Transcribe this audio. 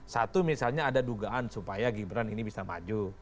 satu misalnya ada dugaan supaya gibran ini bisa maju